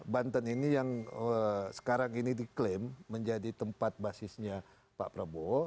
banten ini yang sekarang ini diklaim menjadi tempat basisnya pak prabowo